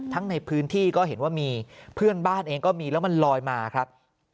ในพื้นที่ก็เห็นว่ามีเพื่อนบ้านเองก็มีแล้วมันลอยมาครับ